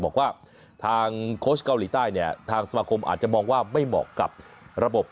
บอกว่าทางโค้ชเกาหลีใต้เนี่ยทางสมาคมอาจจะมองว่าไม่เหมาะกับระบบ